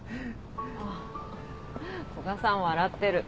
あっ古賀さん笑ってる。